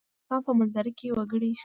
د افغانستان په منظره کې وګړي ښکاره ده.